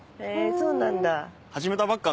そうなんだ。